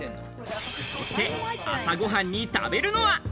そして朝ご飯に食べるのは？